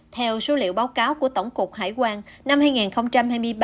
theo số liệu báo cáo của tổng cục hải quan năm hai nghìn hai mươi ba